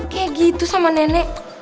kayak gitu sama nenek